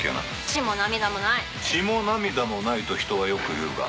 「『血も涙もない』と人はよく言うが」